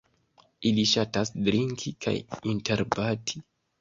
Ili ŝatas drinki kaj interbati.